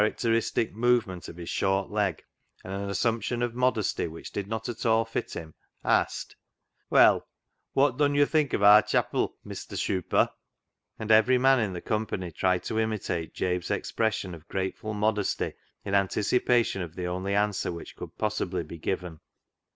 uteristic movement "THE ZEAL OF THINE HOUSE" 279 of his short Ici^^, and an assumption (^f modesty which did not at all fit him, asked —" Well, wot thm yo' tiiink of aar cha])il, Mestur ' Shui)er '?" And every man in the company tried to imitate jal)e's expression of grateful UKjdesty in antici[)alion of the only answer which could possibly be given.